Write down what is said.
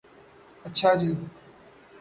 اچھا جی